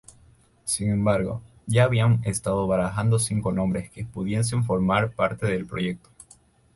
Sin embargo, ya habían estado barajando cinco nombres que pudiesen formar parte del proyecto.